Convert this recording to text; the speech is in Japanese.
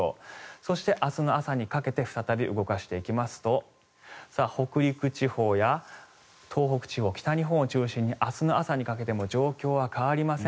そして、明日の朝にかけて再び動かしていきますと北陸地方や東北地方北日本を中心に明日の朝にかけても状況は変わりません。